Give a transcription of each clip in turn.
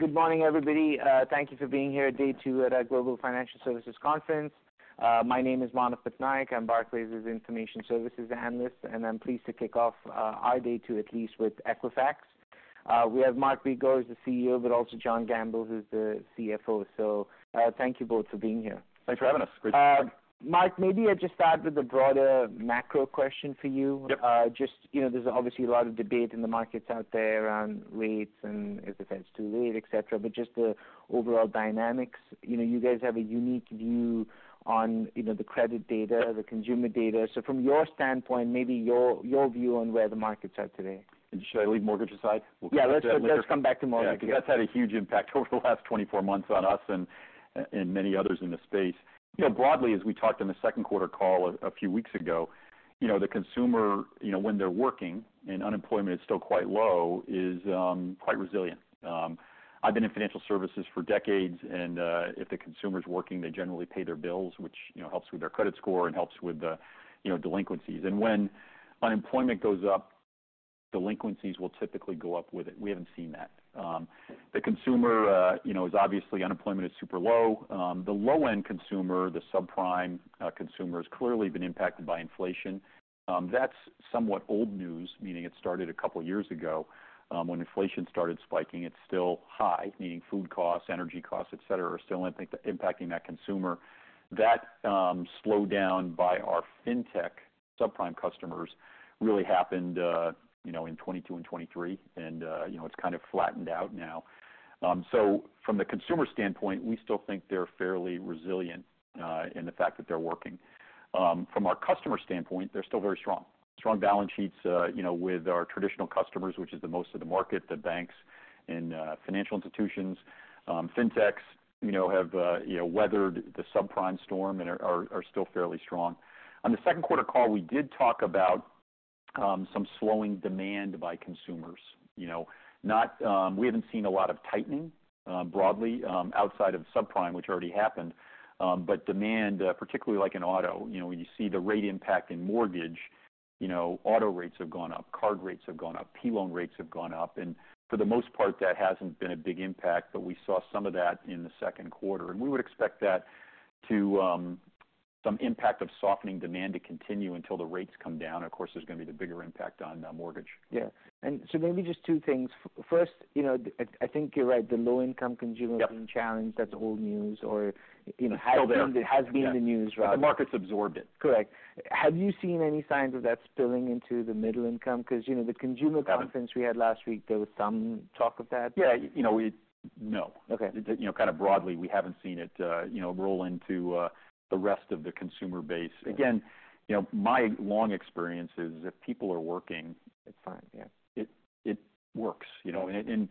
Good morning, everybody. Thank you for being here at day two at our Global Financial Services Conference. My name is Manav Patnaik, I'm Barclays' Information Services analyst, and I'm pleased to kick off our day two, at least, with Equifax. We have Mark Begor as the CEO, but also John Gamble, who's the CFO. So, thank you both for being here. Thanks for having us. Great to be here. Mark, maybe I'll just start with a broader macro question for you. Yep. Just, you know, there's obviously a lot of debate in the markets out there around rates and if the Fed's too late, et cetera, but just the overall dynamics. You know, you guys have a unique view on, you know, the credit data, the consumer data. So from your standpoint, maybe your view on where the markets are today. Should I leave mortgage aside? We'll come to that. Yeah, let's come back to mortgage. Yeah, 'cause that's had a huge impact over the last 24 months on us and many others in the space. You know, broadly, as we talked in the second quarter call a few weeks ago, you know, the consumer, you know, when they're working, and unemployment is still quite low, is quite resilient. I've been in financial services for decades, and if the consumer's working, they generally pay their bills, which, you know, helps with their credit score and helps with the, you know, delinquencies. And when unemployment goes up, delinquencies will typically go up with it. We haven't seen that. The consumer, you know, is obviously, unemployment is super low. The low-end consumer, the subprime consumer, has clearly been impacted by inflation. That's somewhat old news, meaning it started a couple of years ago, when inflation started spiking. It's still high, meaning food costs, energy costs, et cetera, are still impacting that consumer. That slowdown by our fintech subprime customers really happened, you know, in 2022 and 2023, and, you know, it's kind of flattened out now. So from the consumer standpoint, we still think they're fairly resilient, in the fact that they're working. From our customer standpoint, they're still very strong. Strong balance sheets, you know, with our traditional customers, which is the most of the market, the banks and financial institutions. Fintechs, you know, have, you know, weathered the subprime storm and are still fairly strong. On the second quarter call, we did talk about some slowing demand by consumers, you know. Not, we haven't seen a lot of tightening, broadly, outside of subprime, which already happened. But demand, particularly like in auto, you know, when you see the rate impact in mortgage, you know, auto rates have gone up, card rates have gone up, P-loan rates have gone up, and for the most part, that hasn't been a big impact, but we saw some of that in the second quarter, and we would expect that to some impact of softening demand to continue until the rates come down, and of course, there's going to be the bigger impact on mortgage. Yeah, and so maybe just two things. First, you know, I think you're right, the low-income consumer- Yep being challenged, that's old news or, you know- Still there. Has been the news, right? But the market's absorbed it. Correct. Have you seen any signs of that spilling into the middle income? 'Cause, you know, the consumer- Haven't Conference we had last week, there was some talk of that. Yeah, you know. No. Okay. You know, kind of broadly, we haven't seen it, you know, roll into the rest of the consumer base. Okay. Again, you know, my long experience is, if people are working- It's fine, yeah.... It works, you know. And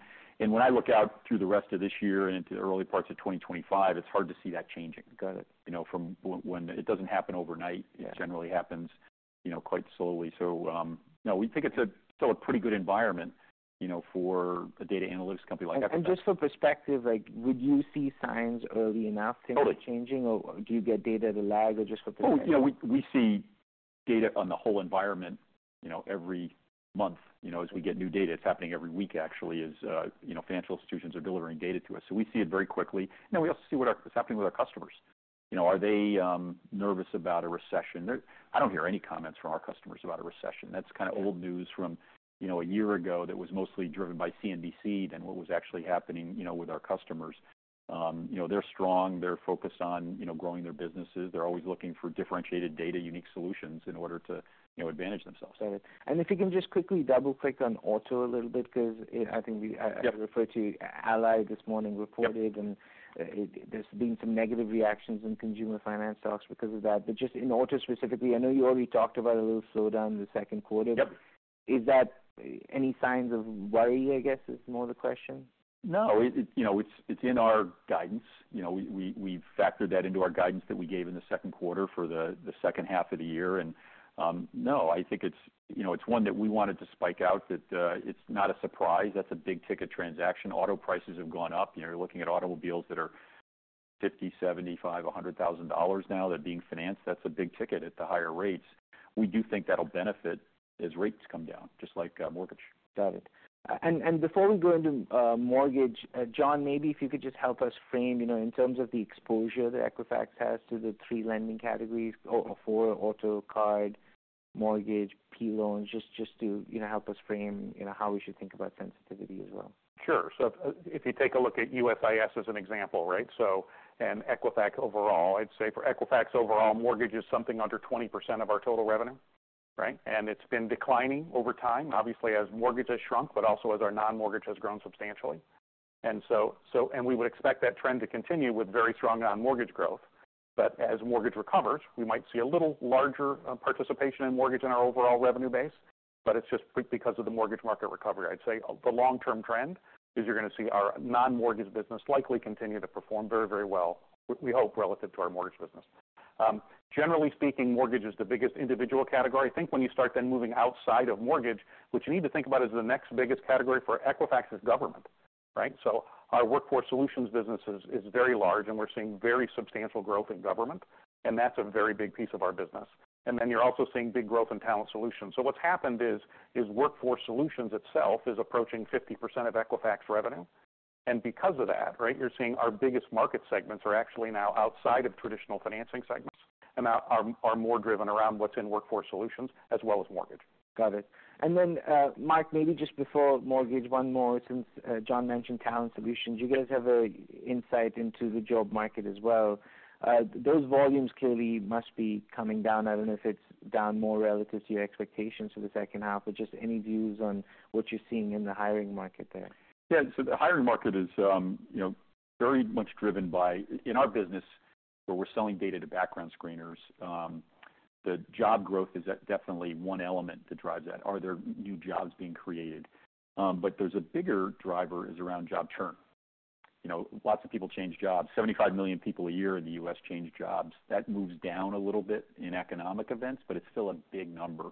when I look out through the rest of this year and into the early parts of 2025, it's hard to see that changing. Got it. You know, it doesn't happen overnight. Yeah. It generally happens, you know, quite slowly, so no, we think it's still a pretty good environment, you know, for a data analytics company like Equifax. Just for perspective, like, would you see signs early enough? Oh to changing, or do you get data that lag? Or just for perspective. Oh, you know, we see data on the whole environment, you know, every month, you know, as we get new data. It's happening every week, actually, as you know, financial institutions are delivering data to us. So we see it very quickly, and we also see what's happening with our customers. You know, are they nervous about a recession? They're. I don't hear any comments from our customers about a recession. Okay. That's kind of old news from, you know, a year ago that was mostly driven by CNBC more than what was actually happening, you know, with our customers. You know, they're strong. They're focused on, you know, growing their businesses. They're always looking for differentiated data, unique solutions, in order to, you know, advantage themselves. Got it. And if you can just quickly double-click on auto a little bit, 'cause it, I think we... Yep... I referred to Ally this morning, reported- Yep And it, there's been some negative reactions in consumer finance stocks because of that. But just in auto specifically, I know you already talked about a little slowdown in the second quarter. Yep. Is that any signs of worry, I guess, is more the question? No, you know, it's in our guidance. You know, we've factored that into our guidance that we gave in the second quarter for the second half of the year. And no, I think it's you know, it's one that we wanted to spike out, that it's not a surprise. That's a big-ticket transaction. Auto prices have gone up. You know, you're looking at automobiles that are $50,000, $75,000, $100,000 now, they're being financed. That's a big ticket at the higher rates. We do think that'll benefit as rates come down, just like mortgage. Got it. Before we go into mortgage, John, maybe if you could just help us frame, you know, in terms of the exposure that Equifax has to the three lending categories, or four, auto, card, mortgage, P loans, just to, you know, help us frame, you know, how we should think about sensitivity as well. Sure. If you take a look at USIS as an example, right? And Equifax overall, I'd say for Equifax overall, mortgage is something under 20% of our total revenue, right? And it's been declining over time, obviously, as mortgage has shrunk, but also as our non-mortgage has grown substantially. And we would expect that trend to continue with very strong non-mortgage growth. But as mortgage recovers, we might see a little larger participation in mortgage in our overall revenue base, but it's just because of the mortgage market recovery. I'd say the long-term trend is you're going to see our non-mortgage business likely continue to perform very, very well, we hope, relative to our mortgage business. Generally speaking, mortgage is the biggest individual category. I think when you start then moving outside of mortgage, what you need to think about is the next biggest category for Equifax is government, right? So our Workforce Solutions business is very large, and we're seeing very substantial growth in government, and that's a very big piece of our business. Then you're also seeing big growth in Talent Solutions. So what's happened is, Workforce Solutions itself is approaching 50% of Equifax revenue. Because of that, right, you're seeing our biggest market segments are actually now outside of traditional financing segments and are more driven around what's in Workforce Solutions as well as mortgage. Got it. And then, Mark, maybe just before mortgage, one more, since John mentioned Talent Solutions, you guys have an insight into the job market as well. Those volumes clearly must be coming down. I don't know if it's down more relative to your expectations for the second half, but just any views on what you're seeing in the hiring market there? Yeah. So the hiring market is, you know, very much driven by, in our business, where we're selling data to background screeners, the job growth is definitely one element that drives that. Are there new jobs being created? But there's a bigger driver is around job churn. You know, lots of people change jobs. 75 million people a year in the U.S. change jobs. That moves down a little bit in economic events, but it's still a big number.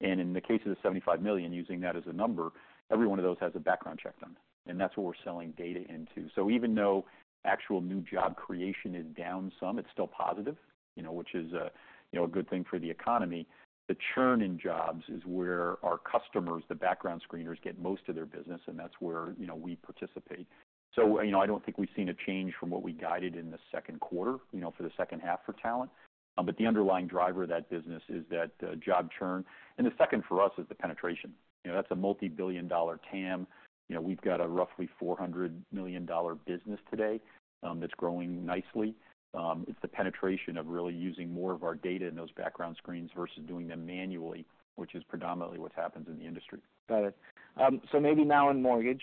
And in the case of the 75 million, using that as a number, every one of those has a background check done, and that's what we're selling data into. So even though actual new job creation is down some, it's still positive, you know, which is a good thing for the economy. The churn in jobs is where our customers, the background screeners, get most of their business, and that's where, you know, we participate. So, you know, I don't think we've seen a change from what we guided in the second quarter, you know, for the second half for talent. But the underlying driver of that business is that, job churn, and the second for us is the penetration. You know, that's a multibillion-dollar TAM. You know, we've got a roughly $400 million business today, that's growing nicely. It's the penetration of really using more of our data in those background screens versus doing them manually, which is predominantly what happens in the industry. Got it. So maybe now in mortgage.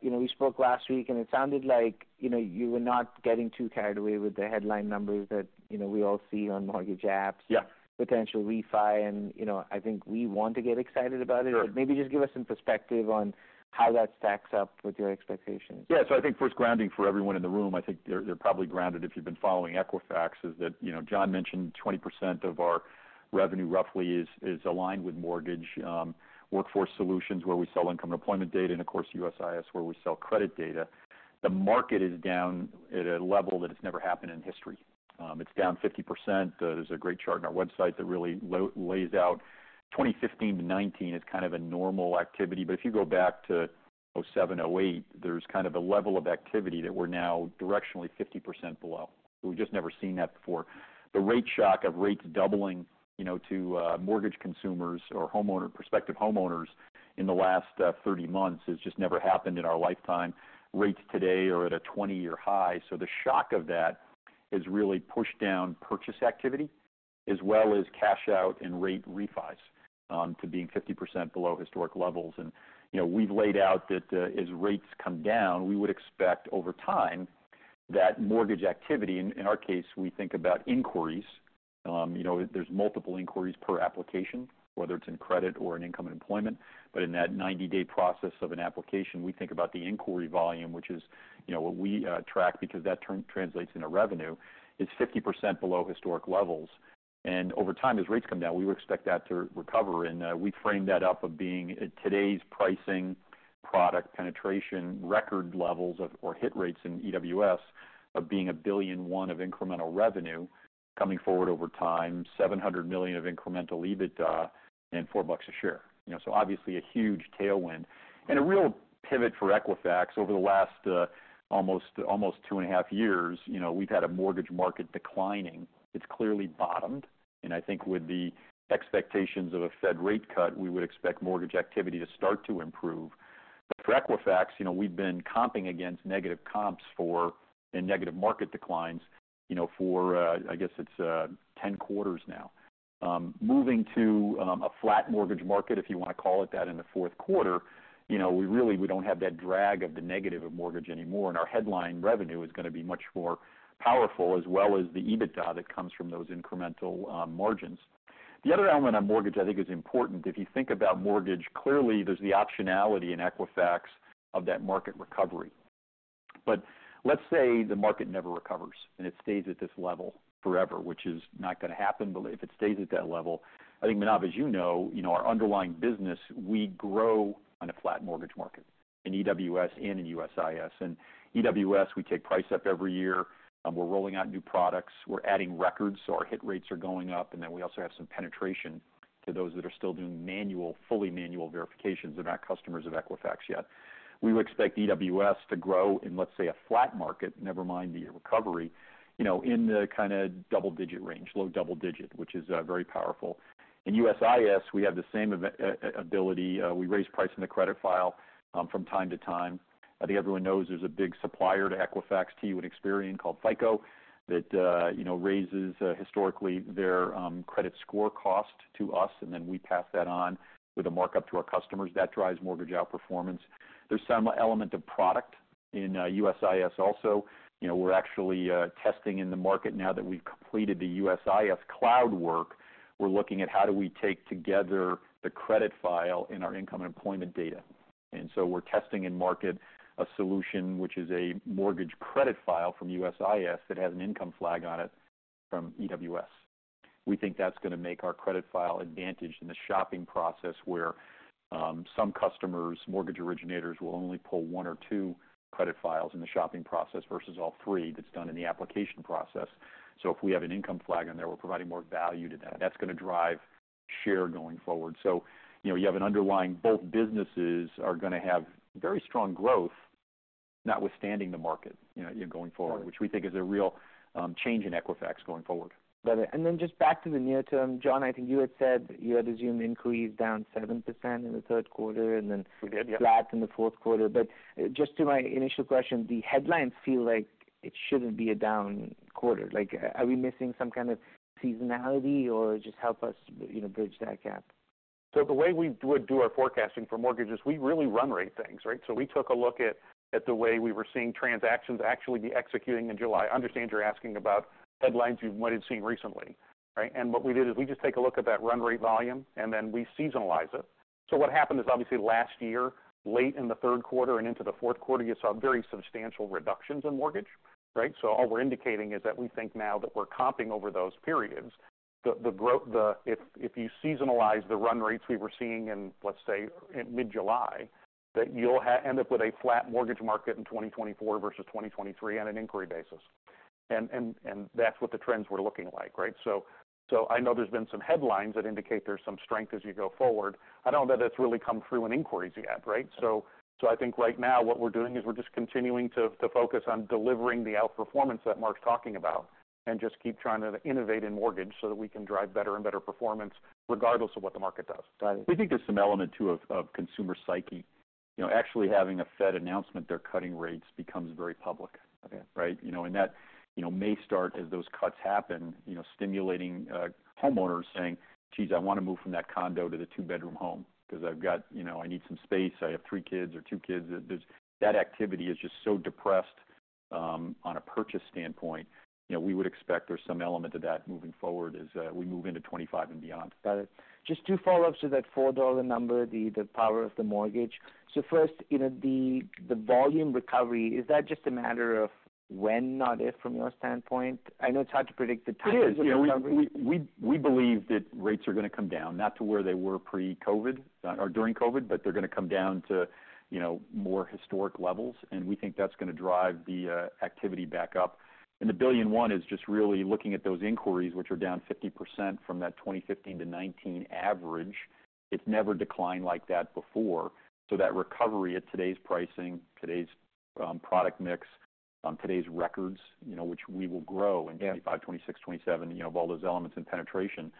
You know, we spoke last week, and it sounded like, you know, you were not getting too carried away with the headline numbers that, you know, we all see on mortgage apps- Yeah. potential refi, and, you know, I think we want to get excited about it. Sure. But maybe just give us some perspective on how that stacks up with your expectations. Yeah, so I think first grounding for everyone in the room. I think they're probably grounded if you've been following Equifax. It's that, you know, John mentioned 20% of our revenue roughly is aligned with mortgage, Workforce Solutions, where we sell income and employment data, and of course, USIS, where we sell credit data. The market is down at a level that it's never happened in history. It's down 50%. There's a great chart on our website that really lays out. 2015 to 2019 is kind of a normal activity, but if you go back to 2007, 2008, there's kind of a level of activity that we're now directionally 50% below. So we've just never seen that before. The rate shock of rates doubling, you know, to mortgage consumers or homeowners, prospective homeowners in the last 30 months has just never happened in our lifetime. Rates today are at a 20-year high, so the shock of that has really pushed down purchase activity as well as cash out and rate refis to being 50% below historic levels. And, you know, we've laid out that as rates come down, we would expect over time that mortgage activity, in our case, we think about inquiries. You know, there's multiple inquiries per application, whether it's in credit or in income and employment. But in that 90-day process of an application, we think about the inquiry volume, which is, you know, what we track because that turn translates into revenue, is 50% below historic levels. Over time, as rates come down, we would expect that to recover, and we frame that up of being today's pricing, product penetration, record levels of or hit rates in EWS of being $1.1 billion of incremental revenue coming forward over time, $700 million of incremental EBITDA and $4 a share. You know, so obviously a huge tailwind and a real pivot for Equifax over the last almost two and a half years. You know, we've had a mortgage market declining. It's clearly bottomed, and I think with the expectations of a Fed rate cut, we would expect mortgage activity to start to improve. But for Equifax, you know, we've been comping against negative comps for and negative market declines, you know, for I guess it's 10 quarters now. Moving to a flat mortgage market, if you want to call it that in the fourth quarter, you know, we really, we don't have that drag of the negative of mortgage anymore, and our headline revenue is going to be much more powerful, as well as the EBITDA that comes from those incremental margins. The other element on mortgage, I think, is important. If you think about mortgage, clearly there's the optionality in Equifax of that market recovery. But let's say the market never recovers, and it stays at this level forever, which is not going to happen, but if it stays at that level, I think, Manav, as you know, our underlying business, we grow on a flat mortgage market in EWS and in USIS. EWS, we take price up every year, and we're rolling out new products. We're adding records, so our hit rates are going up, and then we also have some penetration to those that are still doing manual, fully manual verifications and are customers of Equifax yet. We would expect EWS to grow in, let's say, a flat market, never mind the recovery, you know, in the kinda double-digit range, low double digit, which is very powerful. In USIS, we have the same ability. We raise price in the credit file from time to time. I think everyone knows there's a big supplier to Equifax, TU and Experian, called FICO, that you know raises historically their credit score cost to us, and then we pass that on with a markup to our customers. That drives mortgage outperformance. There's some element of product in USIS also. You know, we're actually testing in the market now that we've completed the USIS cloud work. We're looking at how do we take together the credit file in our income and employment data. And so we're testing in market a solution, which is a mortgage credit file from USIS that has an income flag on it from EWS. We think that's going to make our credit file advantage in the shopping process, where some customers, mortgage originators, will only pull one or two credit files in the shopping process versus all three that's done in the application process. So if we have an income flag in there, we're providing more value to that. That's going to drive share going forward. You know, you have an underlying both businesses are going to have very strong growth, notwithstanding the market, you know, going forward, which we think is a real change in Equifax going forward. Got it, and then just back to the near term, John. I think you had said you had assumed inquiries down 7% in the third quarter and then We did, yeah. Flat in the fourth quarter. But just to my initial question, the headlines feel like it shouldn't be a down quarter. Like, are we missing some kind of seasonality, or just help us, you know, bridge that gap? So the way we would do our forecasting for mortgages, we really run rate things, right? So we took a look at the way we were seeing transactions actually be executing in July. I understand you're asking about headlines you might have seen recently, right? And what we did is we just take a look at that run rate volume, and then we seasonalize it. So what happened is, obviously, last year, late in the third quarter and into the fourth quarter, you saw very substantial reductions in mortgage, right? So all we're indicating is that we think now that we're comping over those periods, the growth, if you seasonalize the run rates we were seeing in, let's say, mid-July, that you'll end up with a flat mortgage market in 2024 versus 2023 on an inquiry basis. And that's what the trends were looking like, right? So I know there's been some headlines that indicate there's some strength as you go forward. I don't know that that's really come through in inquiries yet, right? So I think right now what we're doing is we're just continuing to focus on delivering the outperformance that Mark's talking about and just keep trying to innovate in mortgage so that we can drive better and better performance regardless of what the market does. Got it. We think there's some element, too, of, of consumer psyche. You know, actually having a Fed announcement, they're cutting rates becomes very public. Okay. Right? You know, and that, you know, may start, as those cuts happen, you know, stimulating homeowners saying, "Geez, I want to move from that condo to the two-bedroom home because I've got you know, I need some space. I have three kids or two kids." There's that activity is just so depressed, on a purchase standpoint. You know, we would expect there's some element to that moving forward as we move into 2025 and beyond. Got it. Just two follow-ups to that $4 number, the power of the mortgage. So first, you know, the volume recovery, is that just a matter of when, not if, from your standpoint? I know it's hard to predict the timing of the recovery. It is. Yeah, we believe that rates are going to come down, not to where they were pre-COVID, or during COVID, but they're going to come down to, you know, more historic levels, and we think that's going to drive the activity back up. And the $1 .1 billion is just really looking at those inquiries, which are down 50% from that 2015 to 2019 average. It's never declined like that before. So that recovery at today's pricing, today's product mix, today's records, you know, which we will grow in 2025, 2026, 2027, you know, of all those elements in penetration.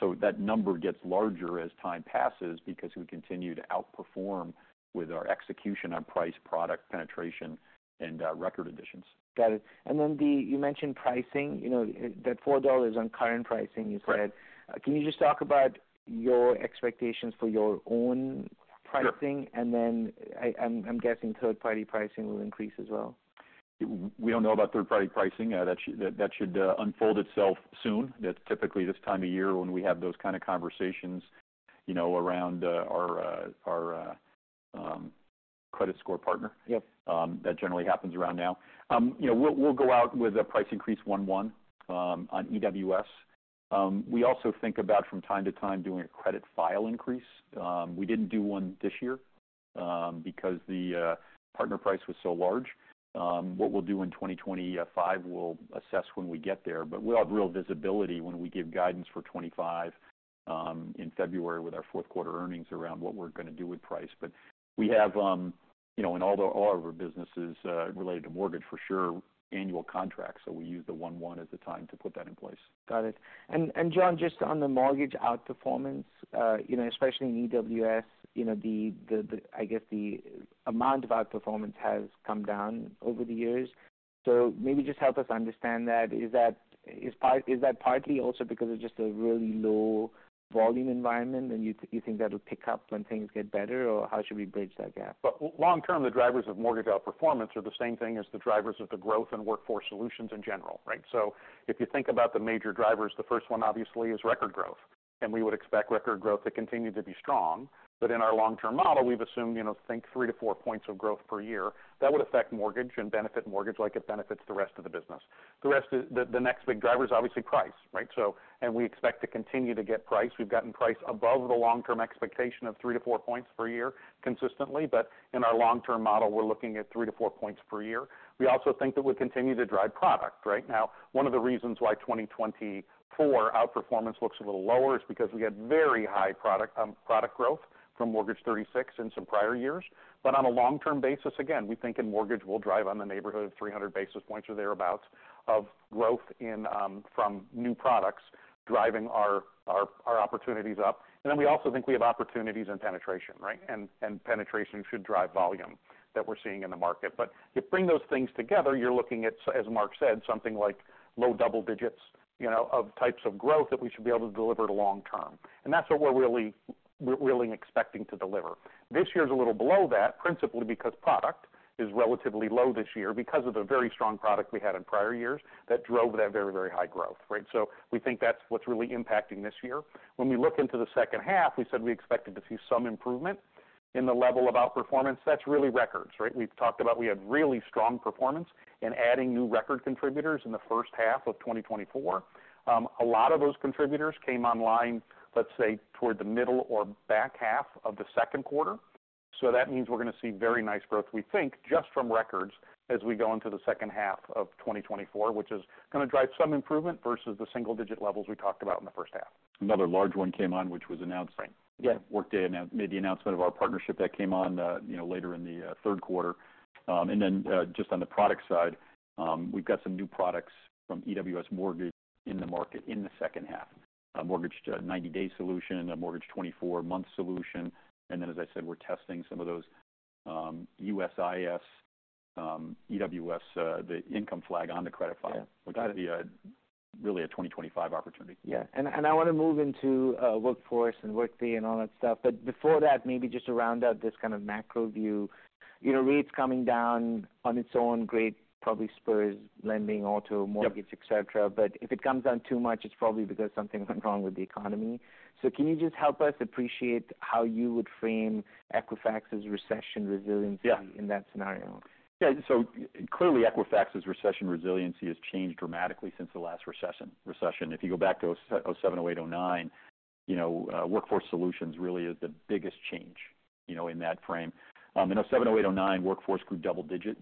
So that number gets larger as time passes because we continue to outperform with our execution on price, product, penetration, and record additions. Got it. And then the, you mentioned pricing. You know, that $4 on current pricing, you said. Right. Can you just talk about your expectations for your own pricing? Sure. And then I'm guessing third-party pricing will increase as well. We don't know about third-party pricing. That should unfold itself soon. That's typically this time of year when we have those kind of conversations, you know, around our credit score partner. Yep. That generally happens around now. You know, we'll go out with a price increase 1/1 on EWS. We also think about from time to time doing a credit file increase. We didn't do one this year because the partner price was so large. What we'll do in 2025, we'll assess when we get there. But we'll have real visibility when we give guidance for 2025 in February with our fourth quarter earnings around what we're going to do with price. But we have you know, in all of our businesses related to mortgage, for sure, annual contracts, so we use the 1/1 as the time to put that in place. Got it. And John, just on the mortgage outperformance, you know, especially in EWS, you know, I guess the amount of outperformance has come down over the years. So maybe just help us understand that. Is that partly also because of just a really low volume environment, and you think that'll pick up when things get better, or how should we bridge that gap? Long term, the drivers of mortgage outperformance are the same thing as the drivers of the growth and Workforce Solutions in general, right? So if you think about the major drivers, the first one, obviously, is record growth, and we would expect record growth to continue to be strong. But in our long-term model, we've assumed, you know, think 3-4 points of growth per year. That would affect mortgage and benefit mortgage like it benefits the rest of the business. The rest of the, the next big driver is obviously price, right? So and we expect to continue to get price. We've gotten price above the long-term expectation of 3-4 points per year consistently, but in our long-term model, we're looking at 3-4 points per year. We also think that we'll continue to drive product, right? Now, one of the reasons why 2024 outperformance looks a little lower is because we had very high product growth from Mortgage 36 in some prior years, but on a long-term basis, again, we think in mortgage, we'll drive in the neighborhood of 300 basis points or thereabout of growth in from new products driving our opportunities up, and then we also think we have opportunities in penetration, right? And penetration should drive volume that we're seeing in the market, but you bring those things together, you're looking at, as Mark said, something like low double digits, you know, of types of growth that we should be able to deliver long term, and that's what we're really expecting to deliver. This year is a little below that, principally because product is relatively low this year because of the very strong product we had in prior years that drove that very, very high growth, right? So we think that's what's really impacting this year. When we look into the second half, we said we expected to see some improvement in the level of outperformance. That's really records, right? We've talked about we had really strong performance in adding new record contributors in the first half of 2024. A lot of those contributors came online, let's say, toward the middle or back half of the second quarter. So that means we're going to see very nice growth, we think, just from records as we go into the second half of 2024, which is gonna drive some improvement versus the single-digit levels we talked about in the first half. Another large one came on, which was announced- Right. Yeah. Workday made the announcement of our partnership that came on, you know, later in the third quarter, and then, just on the product side, we've got some new products from EWS Mortgage in the market in the second half. A mortgage 90-day solution, a mortgage 24-month solution, and then, as I said, we're testing some of those USIS, EWS, the income flag on the credit file. Yeah. -which will be, really, a 2025 opportunity. Yeah, and I wanna move into Workforce and Workday and all that stuff. But before that, maybe just to round out this kind of macro view, you know, rates coming down on its own, great, probably spurs lending, auto, mortgage- Yep... et cetera. But if it comes down too much, it's probably because something went wrong with the economy. So can you just help us appreciate how you would frame Equifax's recession resiliency- Yeah... in that scenario? Yeah. So clearly, Equifax's recession resiliency has changed dramatically since the last recession. If you go back to 2007, 2008, 2009, you know, Workforce Solutions really is the biggest change, you know, in that frame. In 2007, 2008, 2009, Workforce grew double digit,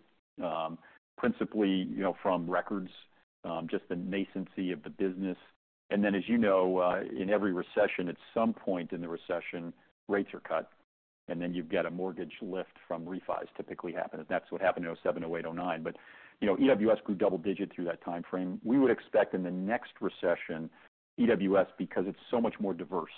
principally, you know, from records, just the nascency of the business. And then, as you know, in every recession, at some point in the recession, rates are cut, and then you've got a mortgage lift from refis typically happen, and that's what happened in 2007, 2008, 2009. But, you know, EWS grew double digit through that timeframe. We would expect in the next recession, EWS, because it's so much more diverse.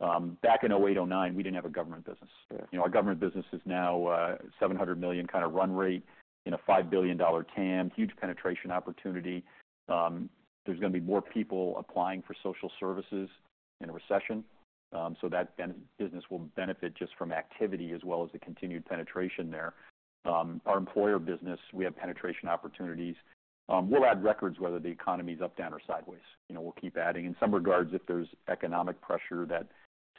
Back in 2008, 2009, we didn't have a government business. Sure. You know, our government business is now $700 million kind of run rate in a $5 billion TAM, huge penetration opportunity. There's gonna be more people applying for social services in a recession, so that business will benefit just from activity as well as the continued penetration there. Our employer business, we have penetration opportunities. We'll add records whether the economy's up, down, or sideways. You know, we'll keep adding. In some regards, if there's economic pressure, that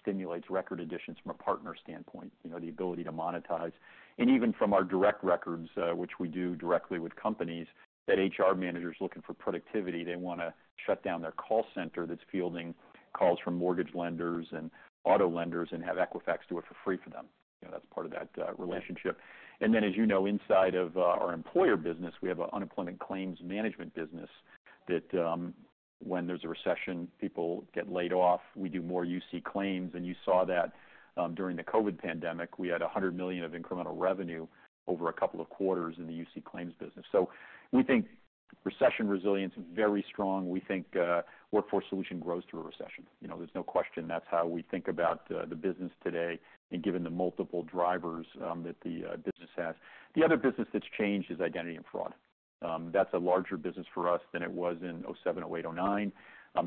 stimulates record additions from a partner standpoint, you know, the ability to monetize, and even from our direct records, which we do directly with companies, that HR manager is looking for productivity, they wanna shut down their call center that's fielding calls from mortgage lenders and auto lenders and have Equifax do it for free for them. You know, that's part of that, relationship. Yeah. And then, as you know, inside of our employer business, we have an unemployment claims management business that, when there's a recession, people get laid off. We do more UC claims, and you saw that during the COVID pandemic. We had $100 million of incremental revenue over a couple of quarters in the UC claims business. So we think recession resilience is very strong. We think Workforce Solution grows through a recession. You know, there's no question that's how we think about the business today and given the multiple drivers that the business has. The other business that's changed is identity and fraud. That's a larger business for us than it was in 2007, 2008, 2009.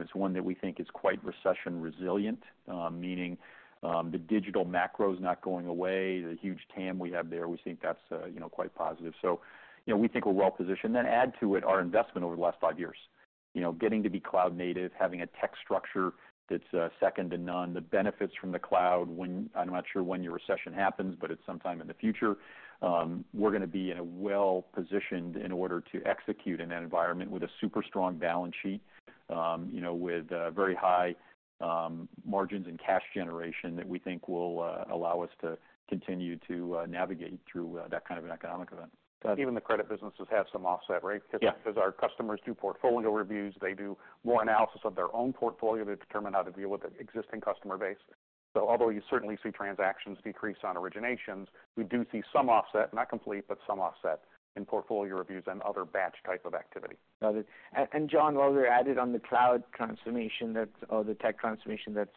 It's one that we think is quite recession resilient, meaning the digital macro is not going away. The huge TAM we have there, we think that's, you know, quite positive. So, you know, we think we're well-positioned. Then add to it our investment over the last five years. You know, getting to be cloud native, having a tech structure that's, second to none, the benefits from the cloud. When I'm not sure when your recession happens, but it's sometime in the future, we're gonna be in a well-positioned in order to execute in that environment with a super strong balance sheet, you know, with, very high, margins and cash generation that we think will, allow us to continue to, navigate through, that kind of an economic event. Even the credit businesses have some offset, right? Yeah. Cause our customers do portfolio reviews, they do more analysis of their own portfolio to determine how to deal with the existing customer base. So although you certainly see transactions decrease on originations, we do see some offset, not complete, but some offset in portfolio reviews and other batch type of activity. Got it. And, and John, while we're at it on the cloud transformation, that's, or the tech transformation, that's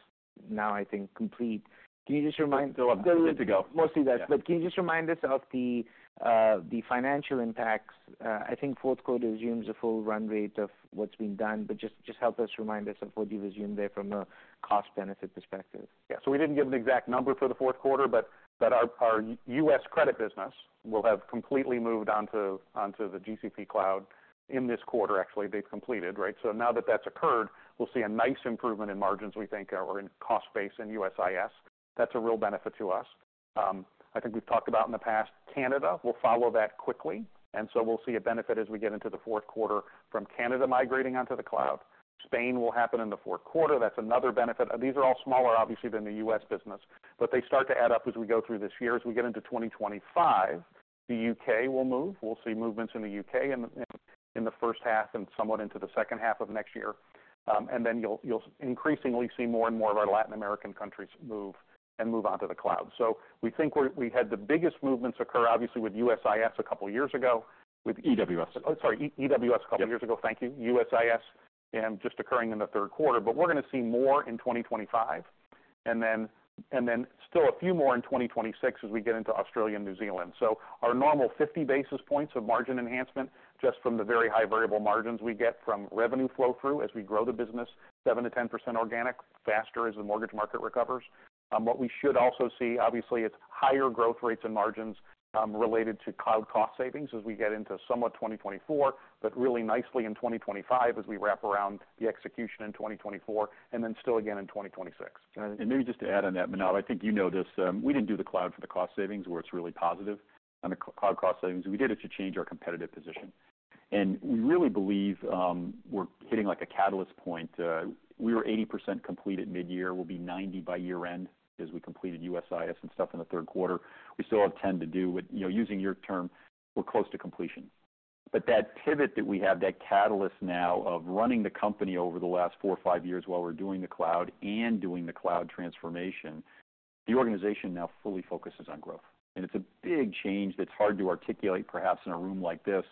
now, I think, complete, can you just remind- Still good to go. Mostly that. Yeah. But can you just remind us of the financial impacts? I think fourth quarter assumes a full run rate of what's been done, but just help us remind us of what you assume there from a cost-benefit perspective. Yeah, so we didn't give an exact number for the fourth quarter, but our U.S. credit business will have completely moved onto the GCP cloud in this quarter. Actually, they've completed, right? So now that that's occurred, we'll see a nice improvement in margins, we think, or in cost base in USIS. That's a real benefit to us. I think we've talked about in the past, Canada will follow that quickly, and so we'll see a benefit as we get into the fourth quarter from Canada migrating onto the cloud. Spain will happen in the fourth quarter. That's another benefit. These are all smaller, obviously, than the U.S. business, but they start to add up as we go through this year. As we get into 2025, the U.K. will move. We'll see movements in the U.K. in the first half and somewhat into the second half of next year, and then you'll increasingly see more and more of our Latin American countries move onto the cloud, so we think we had the biggest movements occur, obviously, with USIS a couple of years ago. With EWS. Oh, sorry, EWS a couple of years ago. Yep. Thank you. USIS just occurring in the third quarter. But we're gonna see more in 2025, and then still a few more in 2026 as we get into Australia and New Zealand. So our normal 50 basis points of margin enhancement, just from the very high variable margins we get from revenue flow through as we grow the business 7%-10% organic, faster as the mortgage market recovers. What we should also see, obviously, is higher growth rates and margins related to cloud cost savings as we get into somewhat 2024, but really nicely in 2025 as we wrap around the execution in 2024, and then still again in 2026. And maybe just to add on that, Manav, I think you know this. We didn't do the cloud for the cost savings, where it's really positive on the cloud cost savings. We did it to change our competitive position... and we really believe we're hitting, like, a catalyst point. We were 80% complete at mid-year, we'll be 90% by year-end, as we completed USIS and stuff in the third quarter. We still have 10 to do, but you know, using your term, we're close to completion. But that pivot that we have, that catalyst now of running the company over the last four or five years while we're doing the cloud and doing the cloud transformation, the organization now fully focuses on growth. And it's a big change that's hard to articulate, perhaps, in a room like this.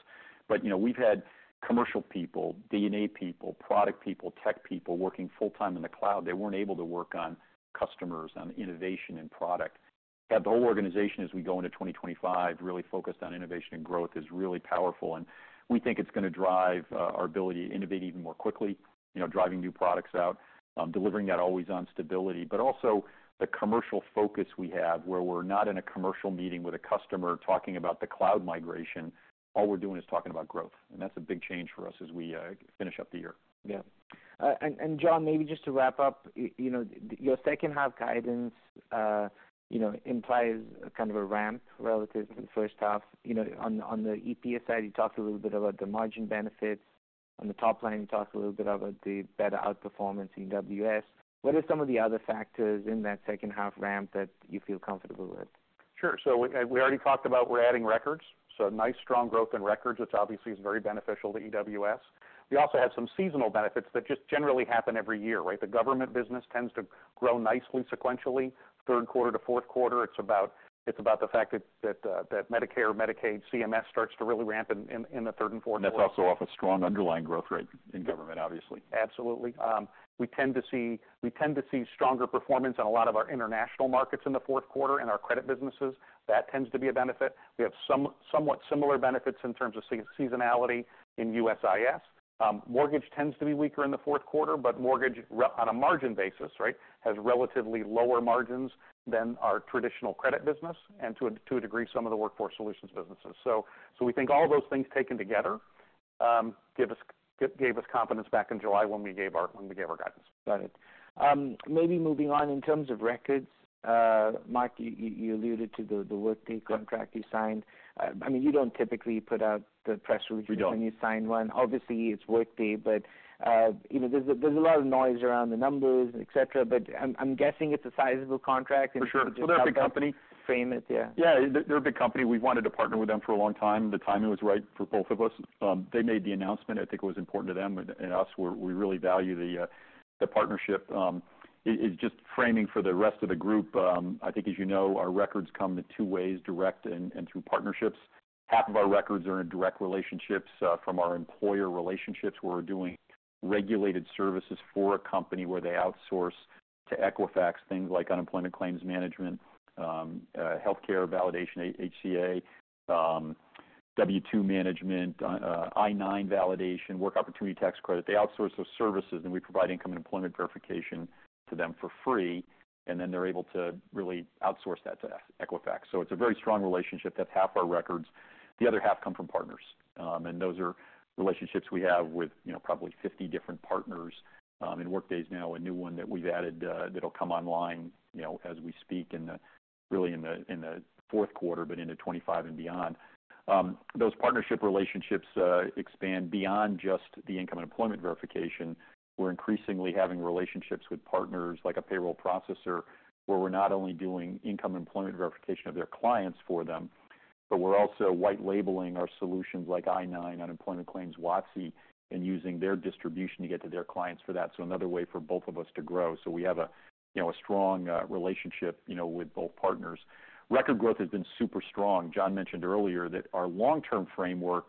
But, you know, we've had commercial people, D&A people, product people, tech people working full-time in the cloud. They weren't able to work on customers, on innovation and product. To have the whole organization, as we go into 2025, really focused on innovation and growth is really powerful, and we think it's gonna drive our ability to innovate even more quickly, you know, driving new products out, delivering that always-on stability. But also, the commercial focus we have, where we're not in a commercial meeting with a customer, talking about the cloud migration, all we're doing is talking about growth, and that's a big change for us as we finish up the year. Yeah. And John, maybe just to wrap up, you know, your second half guidance, you know, implies kind of a ramp relative to the first half. You know, on the EPS side, you talked a little bit about the margin benefits. On the top line, you talked a little bit about the better outperformance in EWS. What are some of the other factors in that second half ramp that you feel comfortable with? Sure. So we already talked about we're adding records, so nice, strong growth in records, which obviously is very beneficial to EWS. We also have some seasonal benefits that just generally happen every year, right? The government business tends to grow nicely sequentially, third quarter to fourth quarter. It's about the fact that Medicare, Medicaid, CMS starts to really ramp in the third and fourth quarter. That's also off a strong underlying growth rate in government, obviously. Absolutely. We tend to see stronger performance in a lot of our international markets in the fourth quarter and our credit businesses. That tends to be a benefit. We have somewhat similar benefits in terms of seasonality in USIS. Mortgage tends to be weaker in the fourth quarter, but mortgage, on a margin basis, right, has relatively lower margins than our traditional credit business and, to a degree, some of the workforce solutions businesses. So we think all of those things taken together gave us confidence back in July when we gave our guidance. Got it. Maybe moving on, in terms of records, Mark, you alluded to the Workday contract you signed. I mean, you don't typically put out the press release- We don't. -when you sign one. Obviously, it's Workday, but, you know, there's a lot of noise around the numbers, et cetera, but I'm guessing it's a sizable contract and- For sure. Well, they're a big company. Frame it, yeah. Yeah, they're a big company. We've wanted to partner with them for a long time. The timing was right for both of us. They made the announcement. I think it was important to them and us. We really value the partnership. It is just framing for the rest of the group. I think, as you know, our records come in two ways, direct and through partnerships. Half of our records are in direct relationships from our employer relationships, where we're doing regulated services for a company, where they outsource to Equifax, things like unemployment claims management, healthcare validation, HCA, W-2 management, I-9 validation, Work Opportunity Tax Credit. They outsource those services, and we provide income and employment verification to them for free, and then they're able to really outsource that to Equifax. So it's a very strong relationship. That's half our records. The other half come from partners, and those are relationships we have with, you know, probably 50 different partners. And Workday is now a new one that we've added, that'll come online, you know, as we speak, really in the fourth quarter, but into 2025 and beyond. Those partnership relationships expand beyond just the income and employment verification. We're increasingly having relationships with partners, like a payroll processor, where we're not only doing income employment verification of their clients for them, but we're also white labeling our solutions like I-9 unemployment claims, WOTC, and using their distribution to get to their clients for that. So another way for both of us to grow. So we have a strong relationship, you know, with both partners. Record growth has been super strong. John mentioned earlier that our long-term framework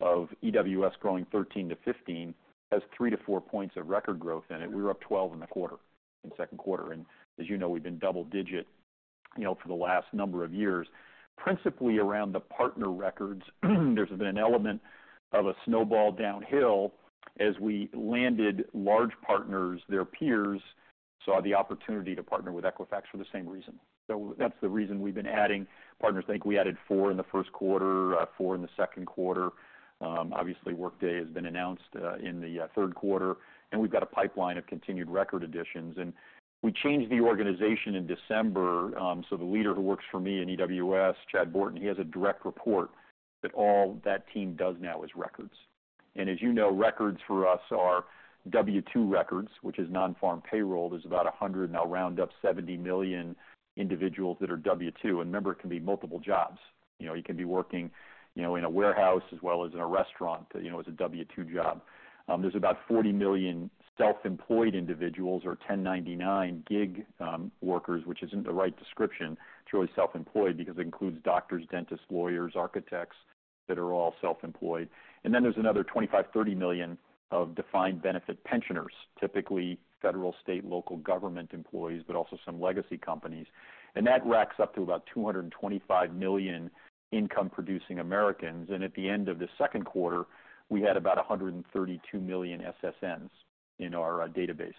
of EWS growing 13 to 15 has three to four points of record growth in it. We were up 12 in the quarter, in the second quarter. And as you know, we've been double digit, you know, for the last number of years, principally around the partner records. There's been an element of a snowball downhill. As we landed large partners, their peers saw the opportunity to partner with Equifax for the same reason. So that's the reason we've been adding partners. I think we added four in the first quarter, four in the second quarter. Obviously, Workday has been announced, in the third quarter, and we've got a pipeline of continued record additions. And we changed the organization in December, so the leader who works for me in EWS, Chad Borton, has a direct report that all that team does now is records. As you know, records for us are W-2 records, which is non-farm payroll. There's about 100, now round up, 70 million individuals that are W-2. And remember, it can be multiple jobs. You know, you can be working, you know, in a warehouse as well as in a restaurant, you know, as a W-2 job. There's about 40 million self-employed individuals or 1099 gig workers, which isn't the right description. It's really self-employed because it includes doctors, dentists, lawyers, architects that are all self-employed. And then there's another 25-30 million defined benefit pensioners, typically federal, state, local government employees, but also some legacy companies. That racks up to about 225 million income-producing Americans. At the end of the second quarter, we had about 132 million SSNs in our database.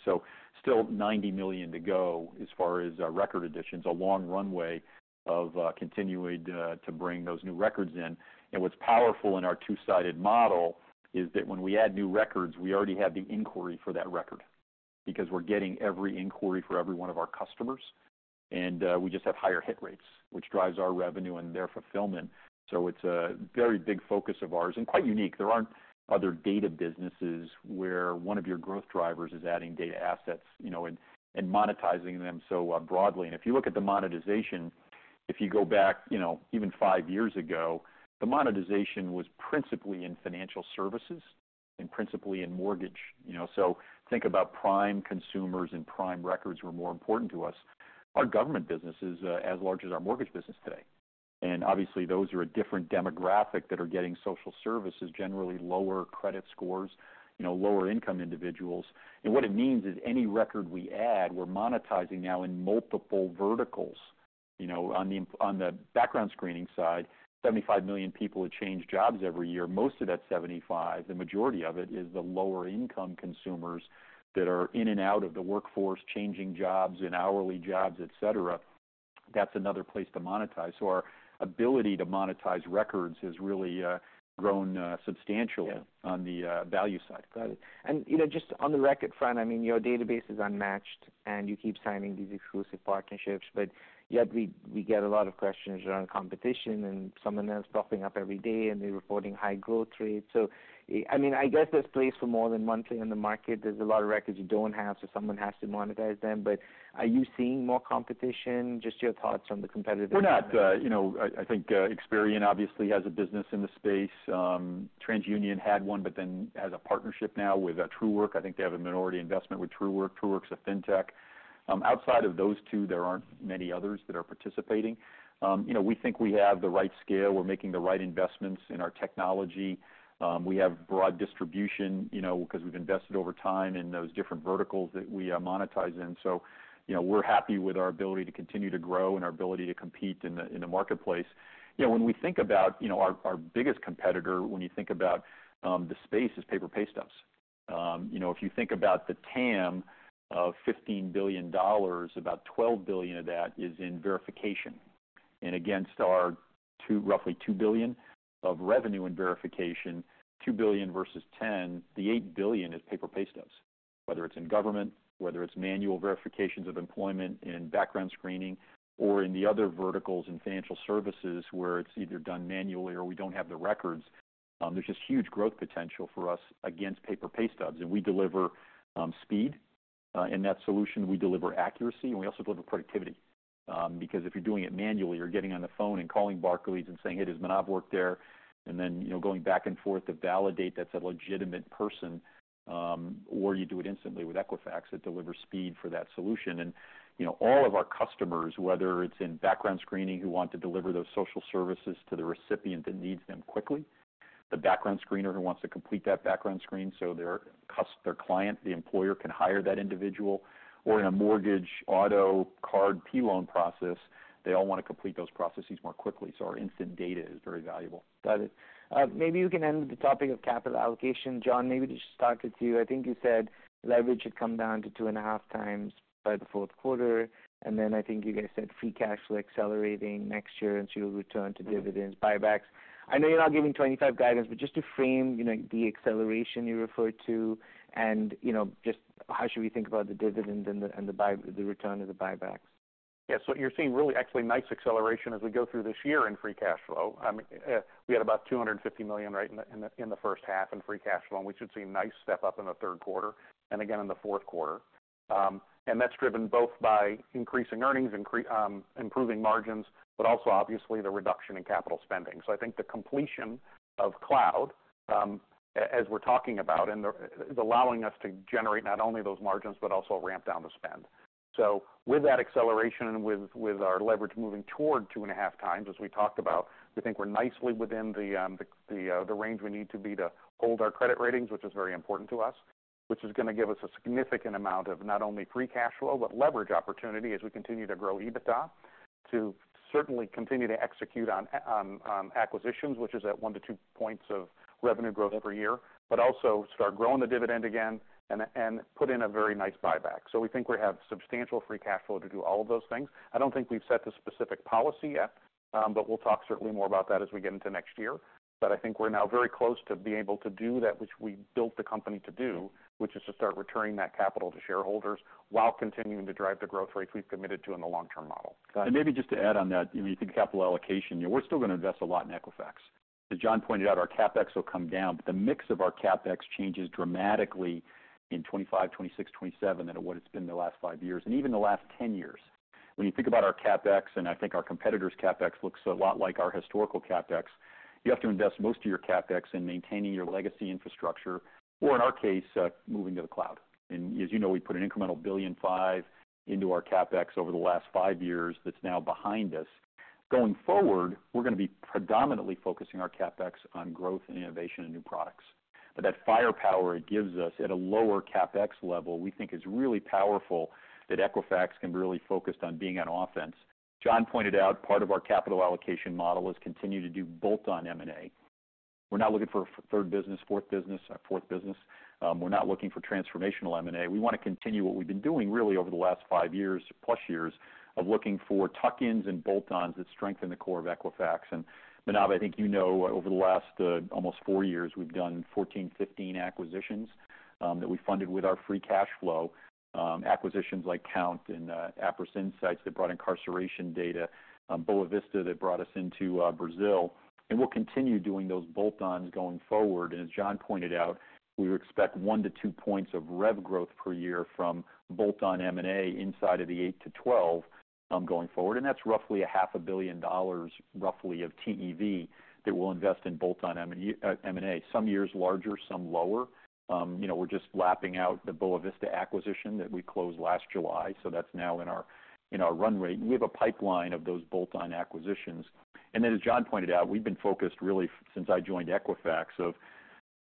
Still 90 million to go as far as record additions. A long runway of continuing to bring those new records in. What's powerful in our two-sided model is that when we add new records, we already have the inquiry for that record because we're getting every inquiry for every one of our customers, and we just have higher hit rates, which drives our revenue and their fulfillment. It's a very big focus of ours and quite unique. There aren't other data businesses where one of your growth drivers is adding data assets, you know, and monetizing them so broadly. And if you look at the monetization, if you go back, you know, even five years ago, the monetization was principally in financial services and principally in mortgage, you know. So think about prime consumers and prime records were more important to us. Our government business is as large as our mortgage business today, and obviously, those are a different demographic that are getting social services, generally lower credit scores, you know, lower-income individuals. And what it means is any record we add, we're monetizing now in multiple verticals. You know, on the background screening side, 75 million people have changed jobs every year. Most of that 75, the majority of it, is the lower-income consumers that are in and out of the workforce, changing jobs and hourly jobs, et cetera. That's another place to monetize. So our ability to monetize records has really grown substantially. Yeah. - on the value side. Got it. And, you know, just on the record front, I mean, your database is unmatched, and you keep signing these exclusive partnerships, but yet we get a lot of questions around competition and someone else popping up every day, and they're reporting high growth rates. So, I mean, I guess there's place for more than one thing in the market. There's a lot of records you don't have, so someone has to monetize them. But are you seeing more competition? Just your thoughts on the competitive- We're not, you know... I think Experian obviously has a business in the space. TransUnion had one, but then has a partnership now with Truwork. I think they have a minority investment with Truework. Truework's a fintech. Outside of those two, there aren't many others that are participating. You know, we think we have the right scale. We're making the right investments in our technology. We have broad distribution, you know, 'cause we've invested over time in those different verticals that we are monetizing. So, you know, we're happy with our ability to continue to grow and our ability to compete in the marketplace. You know, when we think about, you know, our biggest competitor, when you think about the space, is paper pay stubs. You know, if you think about the TAM of $15 billion, about $12 billion of that is in verification. And against our roughly $2 billion of revenue in verification, $2 billion versus $10 billion, the $8 billion is paper pay stubs. Whether it's in government, whether it's manual verifications of employment in background screening or in the other verticals in financial services, where it's either done manually or we don't have the records, there's just huge growth potential for us against paper pay stubs. And we deliver speed in that solution, we deliver accuracy, and we also deliver productivity. Because if you're doing it manually, you're getting on the phone and calling Barclays and saying, "Hey, does Manav work there?" And then, you know, going back and forth to validate that's a legitimate person, or you do it instantly with Equifax. It delivers speed for that solution, and, you know, all of our customers, whether it's in background screening, who want to deliver those social services to the recipient that needs them quickly, the background screener who wants to complete that background screen, so their client, the employer, can hire that individual, or in a mortgage, auto, card, P loan process, they all wanna complete those processes more quickly, so our instant data is very valuable. Got it. Maybe you can end with the topic of capital allocation. John, maybe just talk to you. I think you said leverage had come down to 2.5x by the fourth quarter, and then I think you guys said free cash flow accelerating next year, and so you'll return to dividends, buybacks. I know you're not giving 2025 guidance, but just to frame, you know, the acceleration you referred to and, you know, just how should we think about the dividend and the, and the buy-- the return of the buybacks? Yeah. So you're seeing really actually nice acceleration as we go through this year in free cash flow. We had about $250 million, right, in the first half in free cash flow, and we should see a nice step up in the third quarter and again in the fourth quarter. And that's driven both by increasing earnings, improving margins, but also obviously the reduction in capital spending. So I think the completion of cloud, as we're talking about, and is allowing us to generate not only those margins but also ramp down the spend. With that acceleration, with our leverage moving toward 2.5x, as we talked about, we think we're nicely within the range we need to be to hold our credit ratings, which is very important to us, which is gonna give us a significant amount of not only free cash flow, but leverage opportunity as we continue to grow EBITDA. To certainly continue to execute on acquisitions, which is at one to two points of revenue growth per year, but also start growing the dividend again and put in a very nice buyback. We think we have substantial free cash flow to do all of those things. I don't think we've set the specific policy yet, but we'll talk certainly more about that as we get into next year. But I think we're now very close to being able to do that, which we built the company to do, which is to start returning that capital to shareholders while continuing to drive the growth rates we've committed to in the long-term model. And maybe just to add on that, if you think capital allocation, we're still gonna invest a lot in Equifax. As John pointed out, our CapEx will come down, but the mix of our CapEx changes dramatically in 2025, 2026, 2027 than what it's been in the last five years and even the last 10 years. When you think about our CapEx, and I think our competitor's CapEx looks a lot like our historical CapEx, you have to invest most of your CapEx in maintaining your legacy infrastructure, or in our case, moving to the cloud. And as you know, we put an incremental $1.5 billion into our CapEx over the last five years. That's now behind us. Going forward, we're gonna be predominantly focusing our CapEx on growth and innovation and new products. But that firepower it gives us at a lower CapEx level, we think is really powerful, that Equifax can really focus on being on offense. John pointed out, part of our capital allocation model is continue to do both on M&A. We're not looking for a third business, fourth business, a fourth business. We're not looking for transformational M&A. We wanna continue what we've been doing really over the last five years, plus years, of looking for tuck-ins and bolt-ons that strengthen the core of Equifax. And Manav, I think you know, over the last, almost four years, we've done 14, 15 acquisitions, that we funded with our free cash flow. Acquisitions like Kount and, Appriss Insights, that brought incarceration data, Boa Vista, that brought us into, Brazil. And we'll continue doing those bolt-ons going forward. As John pointed out, we would expect one to two points of rev growth per year from bolt-on M&A inside of the eight to twelve, going forward. That's roughly $500 million, roughly, of TEV that we'll invest in bolt-on M&A. Some years larger, some lower. You know, we're just lapping out the Boa Vista acquisition that we closed last July, so that's now in our run rate. We have a pipeline of those bolt-on acquisitions. And then as John pointed out, we've been focused, really, since I joined Equifax, of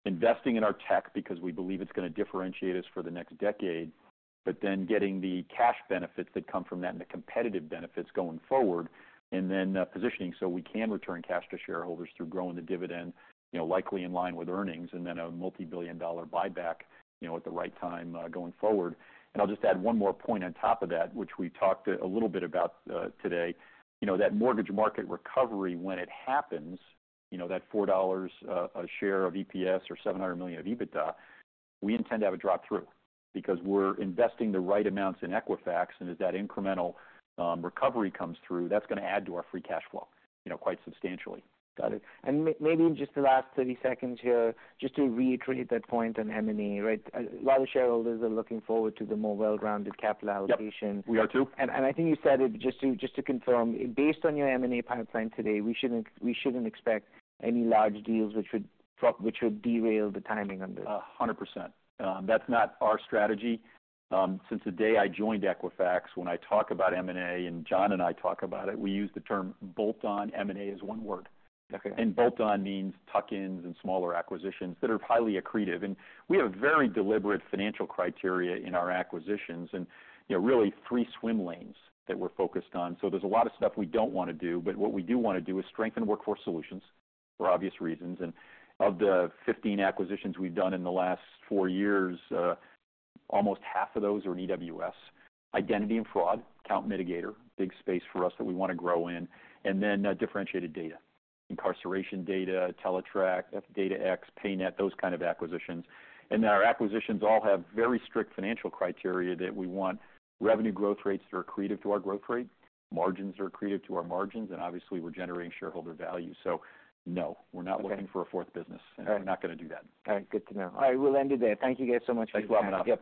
investing in our tech because we believe it's gonna differentiate us for the next decade, but then getting the cash benefits that come from that and the competitive benefits going forward, and then positioning so we can return cash to shareholders through growing the dividend, you know, likely in line with earnings, and then a multi-billion-dollar buyback, you know, at the right time going forward. And I'll just add one more point on top of that, which we talked a little bit about today. You know, that mortgage market recovery, when it happens, you know, that $4 a share of EPS or $700 million of EBITDA, we intend to have a drop through, because we're investing the right amounts in Equifax, and as that incremental recovery comes through, that's gonna add to our free cash flow, you know, quite substantially. Got it. And maybe in just the last 30 seconds here, just to reiterate that point on M&A, right? A lot of shareholders are looking forward to the more well-rounded capital allocation. Yep, we are too. I think you said it, just to confirm, based on your M&A pipeline today, we shouldn't expect any large deals which would derail the timing on this? 100%. That's not our strategy. Since the day I joined Equifax, when I talk about M&A, and John and I talk about it, we use the term bolt-on M&A as one word. Okay. And bolt-on means tuck-ins and smaller acquisitions that are highly accretive. And we have a very deliberate financial criteria in our acquisitions, and, you know, really three swim lanes that we're focused on. So there's a lot of stuff we don't wanna do, but what we do wanna do is strengthen Workforce Solutions for obvious reasons. And of the fifteen acquisitions we've done in the last four years, almost half of those are in EWS. Identity and fraud, Kount, Midigator, big space for us that we wanna grow in. And then, differentiated data, incarceration data, Teletrack, DataX, PayNet, those kind of acquisitions. And our acquisitions all have very strict financial criteria that we want. Revenue growth rates that are accretive to our growth rates, margins that are accretive to our margins, and obviously, we're generating shareholder value. So no, we're not looking for a fourth business. All right. We're not gonna do that. All right, good to know. I will end it there. Thank you guys so much for your time. Thanks for welcoming us.